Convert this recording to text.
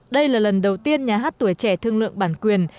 đây là lần đầu tiên nhà hát tuổi trẻ thương lượng bản quyền